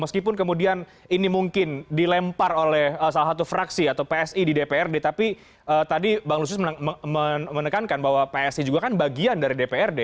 meskipun kemudian ini mungkin dilempar oleh salah satu fraksi atau psi di dprd tapi tadi bang lusius menekankan bahwa psi juga kan bagian dari dprd